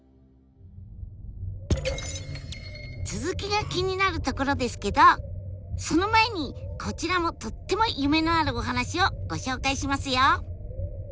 続きが気になるところですけどその前にこちらもとっても夢のあるお話をご紹介しますよ。